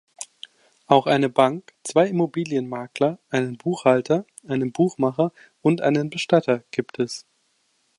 Auch eine Bank, zwei Immobilienmakler, einen Buchhalter, einen Buchmacher und einen Bestatter gibt es.